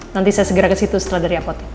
nanti saya segera ke situ setelah dia repotin